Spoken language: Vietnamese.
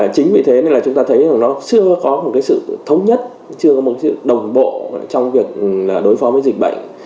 chính vì thế nên là chúng ta thấy là nó chưa có một sự thống nhất chưa có một sự đồng bộ trong việc đối phó với dịch bệnh